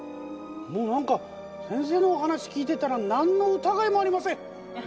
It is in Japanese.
もう何か先生のお話聞いてたら何のうたがいもありません。